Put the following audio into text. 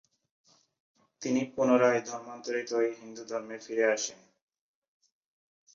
তিনি পুনরায় ধর্মান্তরিত হয়ে হিন্দু ধর্মে ফিরে আসেন।